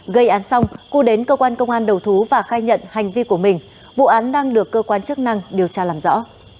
gây án xong cư đến cơ quan công an đầu thú và khai nhận hành vi của mình vụ án đang được cơ quan chức năng điều tra làm rõ